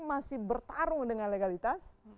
masih bertarung dengan legalitas